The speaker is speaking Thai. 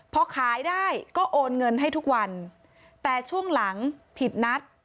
พอขายได้ก็โอนเงินให้ทุกวันแต่ช่วงหลังผิดนัด